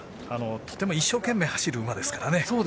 とても一生懸命、走る馬ですからね。